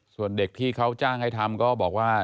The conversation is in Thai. ส่วนเด็กที่เขาจ้างให้ทำก็บอกว่า